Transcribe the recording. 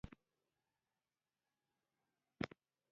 پسه د افغان ځوانانو لپاره ډېره دلچسپي لري.